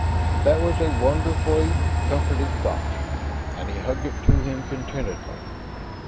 That was a wonderfully comforting thought, and he hugged it to him contentedly.